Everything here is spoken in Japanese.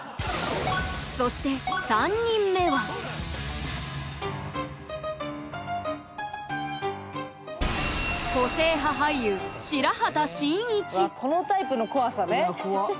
そして３人目はわっこのタイプの怖さね。